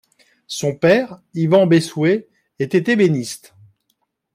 Son père, Ivan Bessouet, était ébéniste.